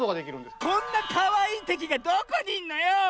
こんなかわいいてきがどこにいんのよ！